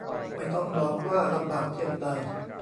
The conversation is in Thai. ไม่ต้องบอกว่าลำบากเพียงใด